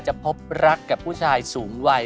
พบรักกับผู้ชายสูงวัย